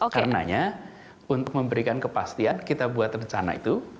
karenanya untuk memberikan kepastian kita buat rencana itu